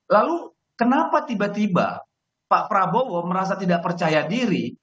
lalu kenapa tiba tiba pak prabowo merasa tidak percaya diri